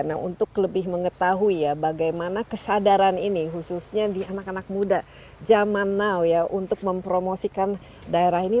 nah untuk lebih mengetahui ya bagaimana kesadaran ini khususnya di anak anak muda zaman now ya untuk mempromosikan daerah ini